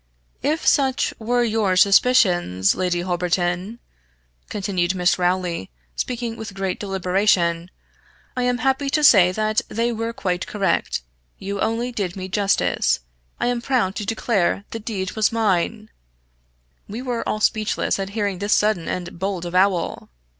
"If such were your suspicions, Lady Holberton," continued Miss Rowley, speaking with great deliberation "I am happy to say they were quite correct you only did me justice I am proud to declare the deed was mine " We were all speechless at hearing this sudden and bold avowal.